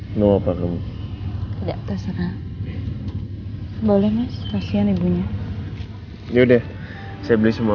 hai lu apa kamu tidak terserah boleh mas kasihan ibunya yaudah saya beli semua